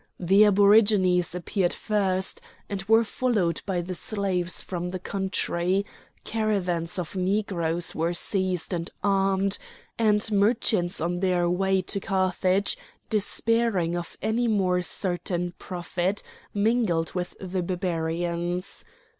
The aborigines appeared first, and were followed by the slaves from the country; caravans of Negroes were seized and armed, and merchants on their way to Carthage, despairing of any more certain profit, mingled with the Barbarians.